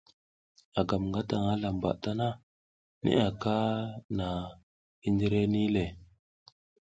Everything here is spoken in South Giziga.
A gam ngataƞʼha lamba tana, neʼe aka na, hindire nih le.